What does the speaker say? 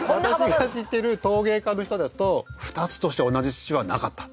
私が知ってる陶芸家の人だと「２つとして同じ土はなかった」